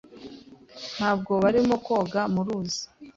Ntabwo barimo koga mu ruzi.